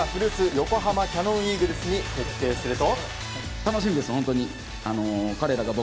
横浜キヤノンイーグルスに決定すると。